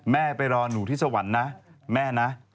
ไปรอหนูที่สวรรค์นะแม่นะ